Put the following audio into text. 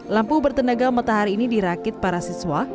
lampu bertenaga matahari ini dirakit para siswa